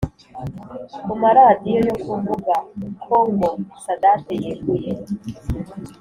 kumaradiyo yo kuvuga ko ngo sadate yeguye